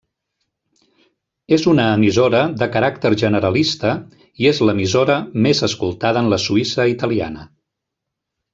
És una emissora de caràcter generalista, i és l'emissora més escoltada en la Suïssa italiana.